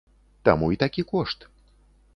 Таму і такі кошт.